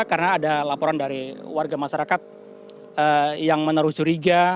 karena ada laporan dari warga masyarakat yang menurut curiga